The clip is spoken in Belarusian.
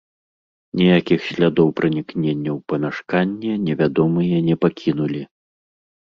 Ніякіх слядоў пранікнення ў памяшканне невядомыя не пакінулі.